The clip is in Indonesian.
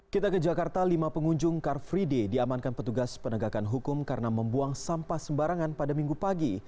kita ke jakarta lima pengunjung car free day diamankan petugas penegakan hukum karena membuang sampah sembarangan pada minggu pagi